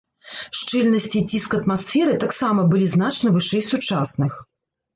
Шчыльнасць і ціск атмасферы таксама былі значна вышэй сучасных.